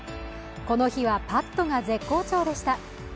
この日はパットが絶好調でした。